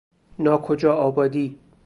ناکجاآبادی